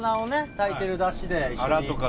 炊いてる出汁で一緒に。